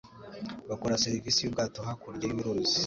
Bakora serivisi yubwato hakurya y'uruzi.